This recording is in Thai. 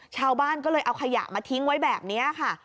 ชาวบ้านก็เลยเอาขยะมาทิ้งไว้แบบนี้ค่ะ